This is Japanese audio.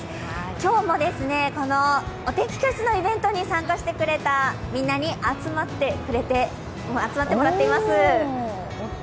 今日もこのお天気企画のイベントに参加してみんなに集まってもらっています。